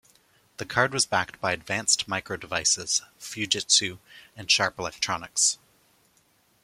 The card was backed by Advanced Micro Devices, Fujitsu and Sharp Electronics.